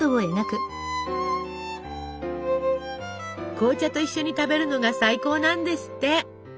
紅茶と一緒に食べるのが最高なんですって。